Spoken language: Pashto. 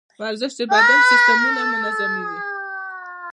ورزش د بدن سیستمونه منظموي.